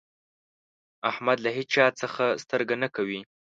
احمد له هيچا څځه سترګه نه کوي.